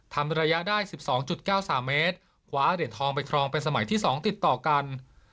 ทำระยะได้สิบสองจุดเก้าสามเมตรขวาเหรียญทองไปทรองเป็นสมัยที่สองติดต่อกัน